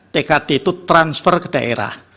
tkd itu transfer ke daerah